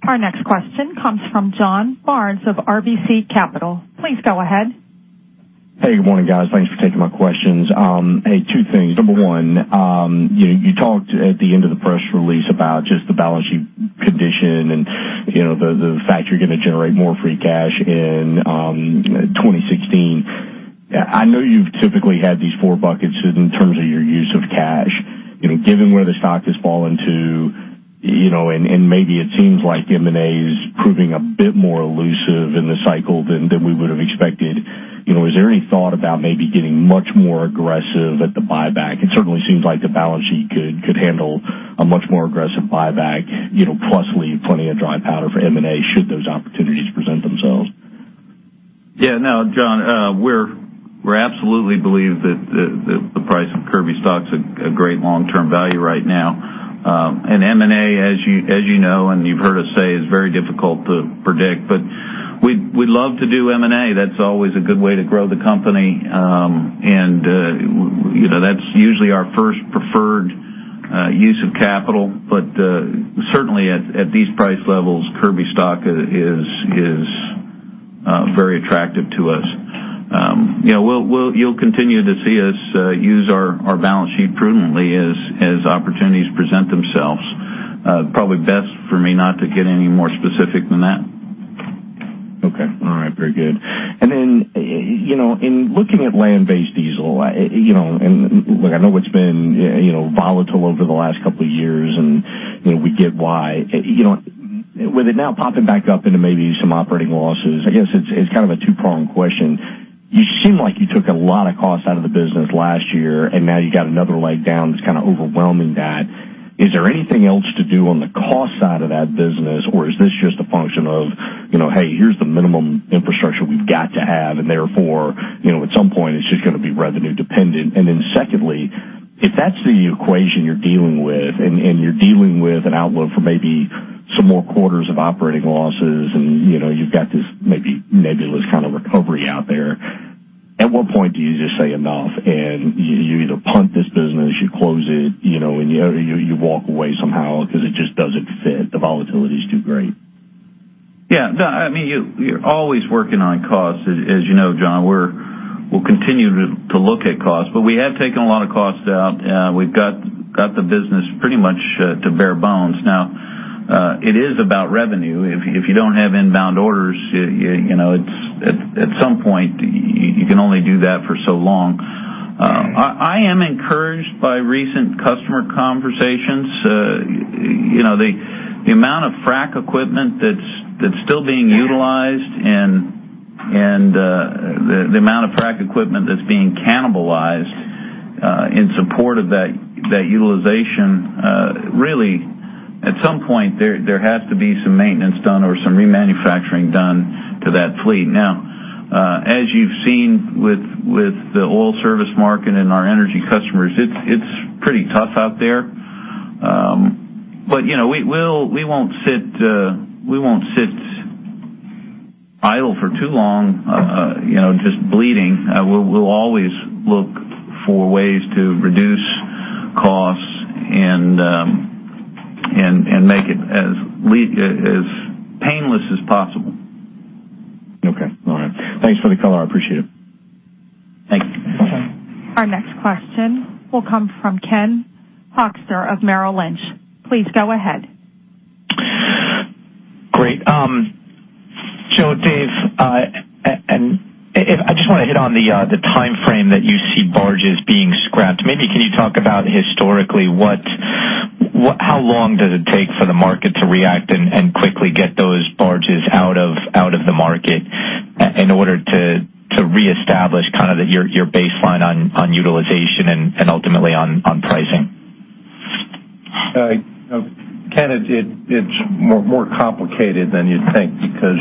Our next question comes from John Barnes of RBC Capital. Please go ahead. Hey, good morning, guys. Thanks for taking my questions. Hey, two things. Number one, you talked at the end of the press release about just the balance sheet condition and, you know, the fact you're gonna generate more free cash in 2016. I know you've typically had these four buckets in terms of your use of cash. You know, given where the stock has fallen to, you know, and maybe it seems like M&A is proving a bit more elusive in the cycle than we would have expected, you know, is there any thought about maybe getting much more aggressive at the buyback? It certainly seems like the balance sheet could handle a much more aggressive buyback, you know, plus leave plenty of dry powder for M&A, should those opportunities present themselves. Yeah, no, John, we absolutely believe that the price of Kirby stock's a great long-term value right now. And M&A, as you know, and you've heard us say, is very difficult to predict. But we'd love to do M&A. That's always a good way to grow the company. And, you know, that's usually our first preferred use of capital. But certainly at these price levels, Kirby stock is very attractive to us. You know, we'll you'll continue to see us use our balance sheet prudently as opportunities present themselves. Probably best for me not to get any more specific than that. Okay. All right. Very good. And then, you know, in looking at land-based diesel, you know, and look, I know it's been, you know, volatile over the last couple of years, and, you know, we get why. You know, with it now popping back up into maybe some operating losses, I guess it's, it's kind of a two-pronged question: You seem like you took a lot of costs out of the business last year, and now you got another leg down that's kind of overwhelming that. Is there anything else to do on the cost side of that business, or is this just a function of, you know, hey, here's the minimum infrastructure we've got to have, and therefore, you know, at some point, it's just gonna be revenue dependent? And then secondly, if that's the equation you're dealing with, and you're dealing with an outlook for maybe some more quarters of operating losses, and, you know, you've got this maybe nebulous kind of recovery out there, at what point do you just say enough, and you either punt this business, you close it, you know, and you walk away somehow because it just doesn't fit, the volatility is too great? Yeah, no, I mean, you're always working on costs. As you know, John, we're. We'll continue to look at costs, but we have taken a lot of costs out. We've got the business pretty much to bare bones. Now, it is about revenue. If you don't have inbound orders, you know, it's. At some point, you can only do that for so long. I am encouraged by recent customer conversations. You know, the amount of frack equipment that's still being utilized and the amount of frack equipment that's being cannibalized in support of that utilization really, at some point, there has to be some maintenance done or some remanufacturing done to that fleet. Now, as you've seen with the oil service market and our energy customers, it's pretty tough out there. But, you know, we won't sit idle for too long, you know, just bleeding. We'll always look for ways to reduce costs and make it as lean as possible. Okay. All right. Thanks for the color. I appreciate it. Thank you. Our next question will come from Ken Hoexter of Merrill Lynch. Please go ahead. Great. So Dave, and I just wanna hit on the timeframe that you see barges being scrapped. Maybe can you talk about historically, what—how long does it take for the market to react and quickly get those barges out of the market in order to reestablish kind of your baseline on utilization and ultimately on pricing? You know, Ken, it's more complicated than you'd think because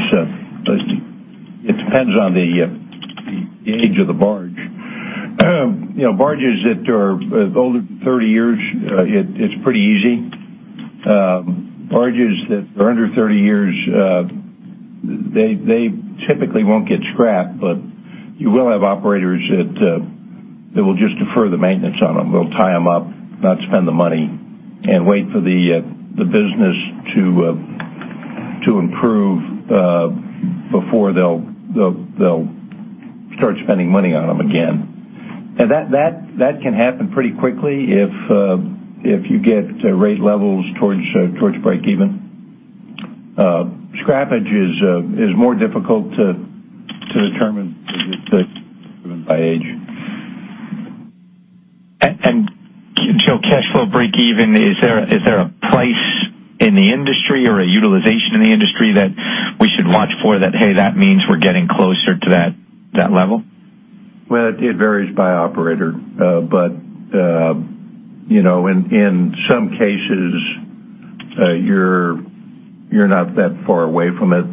it depends on the age of the barge. You know, barges that are older than 30 years, it's pretty easy. Barges that are under 30 years, they typically won't get scrapped, but you will have operators that will just defer the maintenance on them. They'll tie them up, not spend the money, and wait for the business to improve before they'll start spending money on them again. And that can happen pretty quickly if you get rate levels towards breakeven. Scrappage is more difficult to determine by age. So cash flow breakeven, is there a price in the industry or a utilization in the industry that we should watch for that, hey, that means we're getting closer to that level? Well, it varies by operator, but you know, in some cases, you're not that far away from it.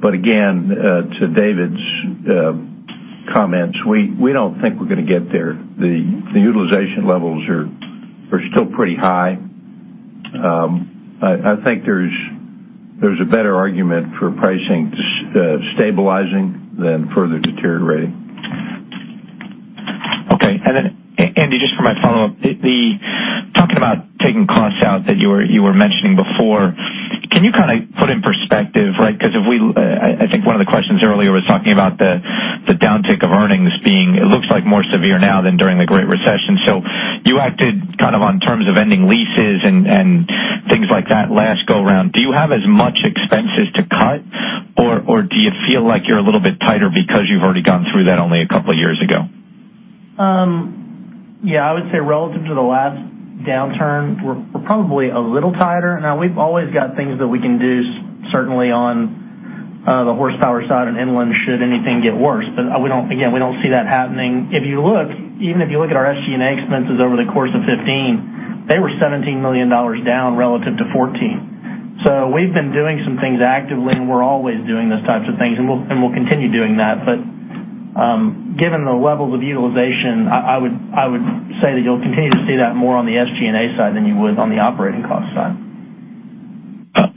But again, to David's comments, we don't think we're gonna get there. The utilization levels are still pretty high. I think there's a better argument for pricing stabilizing than further deteriorating. Okay. And then, Andy, just for my follow-up, Talking about taking costs out that you were mentioning before, can you kind of put in perspective, right? Because if we, I think one of the questions earlier was talking about the downtick of earnings being, it looks like, more severe now than during the Great Recession. So you acted kind of on terms of ending leases and things like that last go around. Do you have as much expenses to cut, or do you feel like you're a little bit tighter because you've already gone through that only a couple of years ago? Yeah, I would say relative to the last downturn, we're, we're probably a little tighter. Now, we've always got things that we can do, certainly on the horsepower side and inland, should anything get worse. But we don't, again, we don't see that happening. If you look, even if you look at our SG&A expenses over the course of 2015, they were $17 million down relative to 2014. So we've been doing some things actively, and we're always doing those types of things, and we'll, and we'll continue doing that. But given the levels of utilization, I, I would, I would say that you'll continue to see that more on the SG&A side than you would on the operating cost side.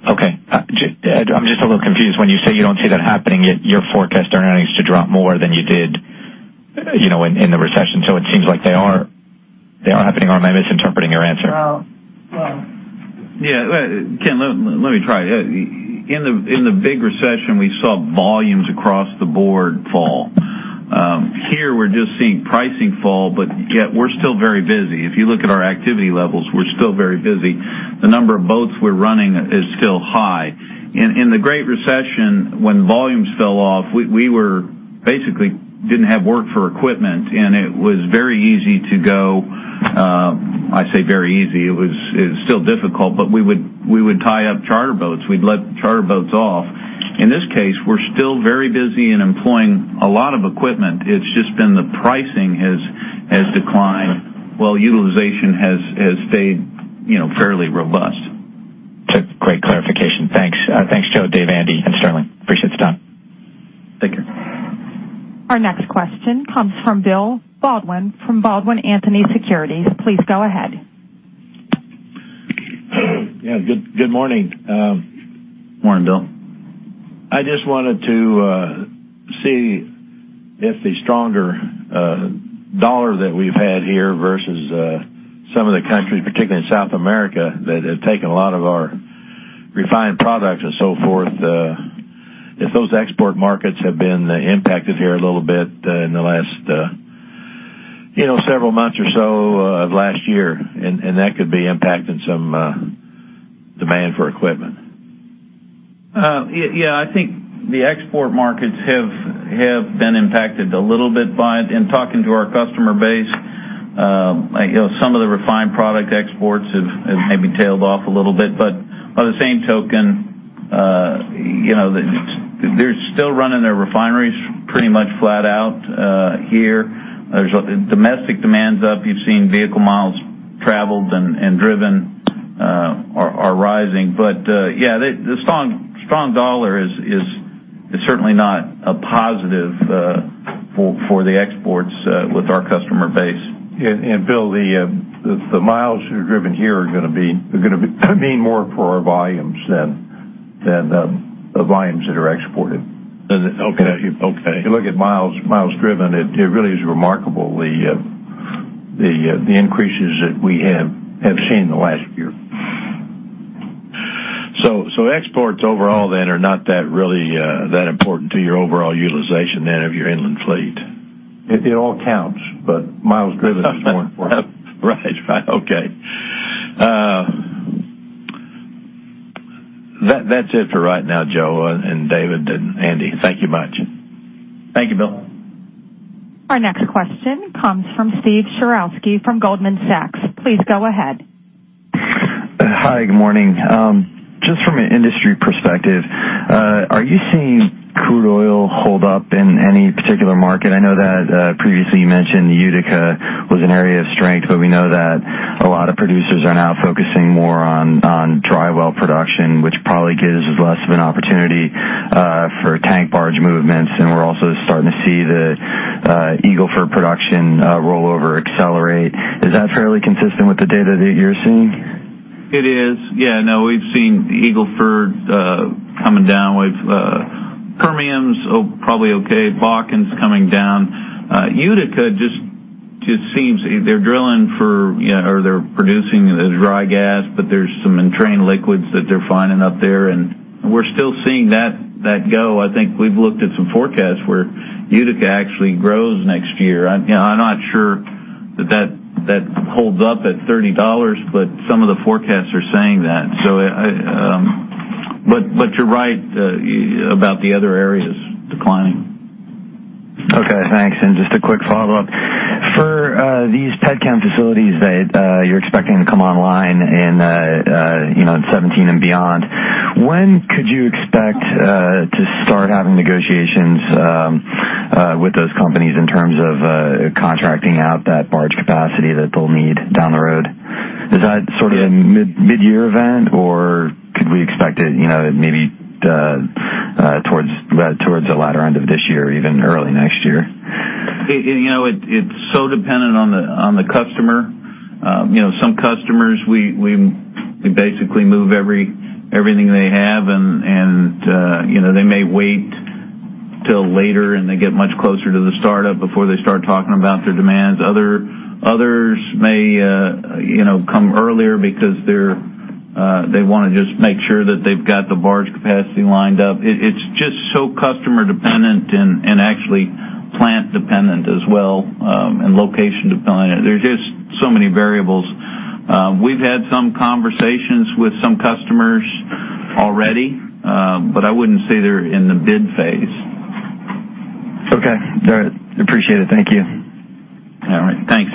Okay. I'm just a little confused when you say you don't see that happening, yet you forecast earnings to drop more than you did, you know, in the recession. So it seems like they are happening, or am I misinterpreting your answer? Well, well. Yeah, Ken, let me try. In the big recession, we saw volumes across the board fall. Here, we're just seeing pricing fall, but yet we're still very busy. If you look at our activity levels, we're still very busy. The number of boats we're running is still high. In the Great Recession, when volumes fell off, we were basically didn't have work for equipment, and it was very easy to go, I say very easy, it was, it's still difficult, but we would tie up charter boats. We'd let charter boats off. In this case, we're still very busy in employing a lot of equipment. It's just been the pricing has declined, while utilization has stayed, you know, fairly robust. That's great clarification. Thanks. Thanks, Joe, Dave, Andy, and Sterling. Appreciate the time. Thank you. Our next question comes from Bill Baldwin from Baldwin Anthony Securities. Please go ahead. Yeah, good, good morning. Morning, Bill. I just wanted to see if the stronger US dollar that we've had here versus some of the countries, particularly in South America, that have taken a lot of our refined products and so forth, if those export markets have been impacted here a little bit, in the last, you know, several months or so, of last year, and, and that could be impacting some demand for equipment. Yeah, yeah, I think the export markets have been impacted a little bit by it. In talking to our customer base, you know, some of the refined product exports have maybe tailed off a little bit, but by the same token, you know, they're still running their refineries pretty much flat out here. Domestic demand's up. You've seen vehicle miles traveled and driven are rising. But yeah, the strong dollar is certainly not a positive for the exports with our customer base. Bill, the miles that are driven here are gonna be more for our volumes than the volumes that are exported. Okay. Okay. If you look at miles driven, it really is remarkable, the increases that we have seen in the last year. So, exports overall then are not really that important to your overall utilization then of your inland fleet? It all counts, but miles driven is more important. Right. Right. Okay. That, that's it for right now, Joe and David and Andy. Thank you much. Thank you, Bill. Our next question comes from Steve Sherowski from Goldman Sachs. Please go ahead. Hi, good morning. Just from an industry perspective, are you seeing crude oil hold up in any particular market? I know that, previously you mentioned Utica was an area of strength, but we know that a lot of producers are now focusing more on dry well production, which probably gives less of an opportunity for tank barge movements, and we're also starting to see the Eagle Ford production rollover accelerate. Is that fairly consistent with the data that you're seeing? It is. Yeah, no, we've seen Eagle Ford coming down. We've Permian's probably okay. Bakken's coming down. Utica just seems they're drilling for or they're producing the dry gas, but there's some entrained liquids that they're finding up there, and we're still seeing that go. I think we've looked at some forecasts where Utica actually grows next year. I, you know, I'm not sure that that holds up at $30, but some of the forecasts are saying that. So I... But, but you're right about the other areas declining. Okay, thanks. And just a quick follow-up. For these petchem facilities that you're expecting to come online in, you know, 2017 and beyond, when could you expect to start having negotiations with those companies in terms of contracting out that barge capacity that they'll need down the road? Is that sort of a midyear event, or could we expect it, you know, maybe towards, towards the latter end of this year, even early next year? You know, it's so dependent on the customer. You know, some customers, we basically move everything they have, and you know, they may wait till later, and they get much closer to the startup before they start talking about their demands. Others may, you know, come earlier because they're, they wanna just make sure that they've got the barge capacity lined up. It's just so customer dependent and actually plant dependent as well, and location dependent. There's just so many variables. We've had some conversations with some customers already, but I wouldn't say they're in the bid phase. Okay. All right. Appreciate it. Thank you. All right. Thanks.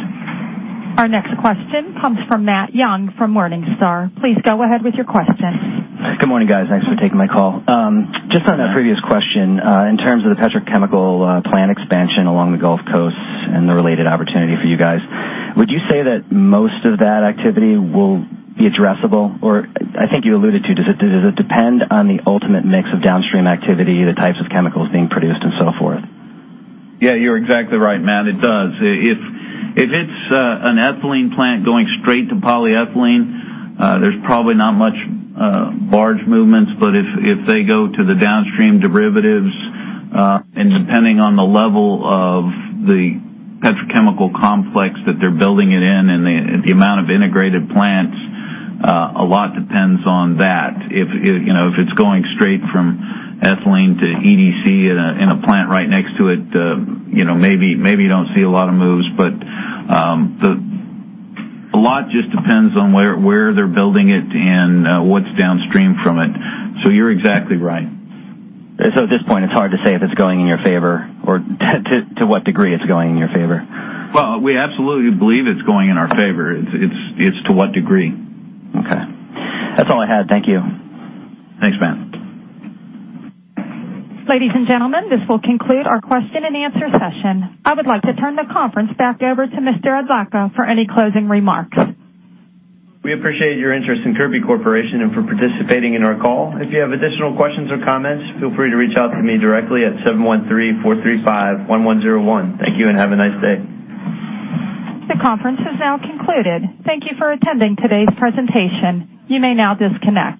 Our next question comes from Matt Young, from Morningstar. Please go ahead with your question. Good morning, guys. Thanks for taking my call. Just on that previous question, in terms of the petrochemical plant expansion along the Gulf Coast and the related opportunity for you guys, would you say that most of that activity will be addressable? Or I think you alluded to, does it depend on the ultimate mix of downstream activity, the types of chemicals being produced, and so forth? Yeah, you're exactly right, Matt, it does. If it's an ethylene plant going straight to polyethylene, there's probably not much barge movements, but if they go to the downstream derivatives and depending on the level of the petrochemical complex that they're building it in and the amount of integrated plants, a lot depends on that. If, you know, if it's going straight from ethylene to EDC in a plant right next to it, you know, maybe you don't see a lot of moves, but a lot just depends on where they're building it and what's downstream from it. So you're exactly right. At this point, it's hard to say if it's going in your favor or to what degree it's going in your favor. Well, we absolutely believe it's going in our favor. It's to what degree. Okay. That's all I had. Thank you. Thanks, Matt. Ladies and gentlemen, this will conclude our question and answer session. I would like to turn the conference back over to Mr. Adlakha for any closing remarks. We appreciate your interest in Kirby Corporation and for participating in our call. If you have additional questions or comments, feel free to reach out to me directly at 713-435-1101. Thank you, and have a nice day. The conference is now concluded. Thank you for attending today's presentation. You may now disconnect.